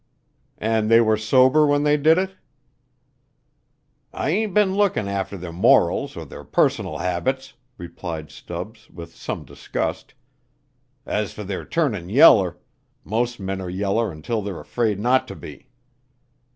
"And they were sober when they did it?" "I ain't been lookin' arter their morals or their personal habits," replied Stubbs, with some disgust. "As fer their turnin' yeller mos' men are yeller until they are afraid not ter be."